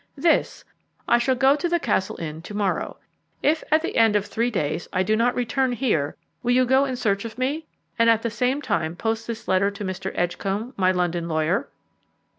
"This I shall go to the Castle Inn to morrow. If at the end of three days I do not return here, will you go in search of me, and at the same time post this letter to Mr. Edgcombe, my London lawyer?"